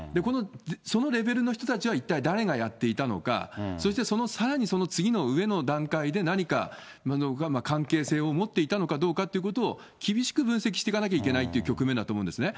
そのレベルの人たちは、一体誰がやっていたのか、そして、さらにその上の次の段階で何か関係性を持っていたのかどうかということを厳しく分析してかなきゃいけないって局面だと思うんですね。